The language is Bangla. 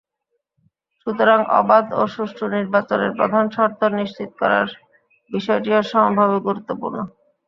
সুতরাং অবাধ ও সুষ্ঠু নির্বাচনের প্রধান শর্ত নিশ্চিত করার বিষয়টিও সমভাবে গুরুত্বপূর্ণ।